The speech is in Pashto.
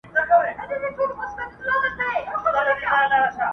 څنګه دا کور او دا جومات او دا قلا سمېږي،